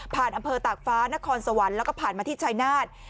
อำเภอตากฟ้านครสวรรค์แล้วก็ผ่านมาที่ชายนาฏ